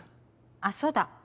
あっそうだ。